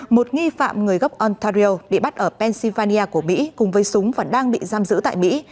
một nghi phạm người gốc ontario bị bắt ở pennsylvania của mỹ cùng với súng và đang bị giam giữ tại mỹ